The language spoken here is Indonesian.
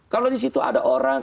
kalau di situ ada orang